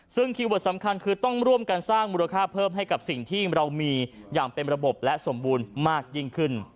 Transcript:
ซึ่งคีย์เวิร์ดสำคัญคือต้องร่วมกันสร้างมูลค่าเพิ่มให้กับสิ่งที่เรามีอย่างเป็นระบบและสมบูรณ์มากยิ่งขึ้น